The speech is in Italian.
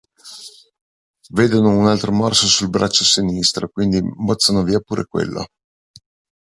Vedono un altro morso sul braccio sinistro, quindi mozzano via pure quello.